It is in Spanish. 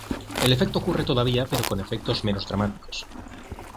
El efecto ocurre todavía, pero con efectos menos dramáticos.